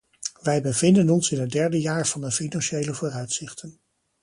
Wij bevinden ons in het derde jaar van de financiële vooruitzichten.